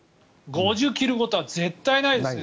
５０切ることは絶対ないですね。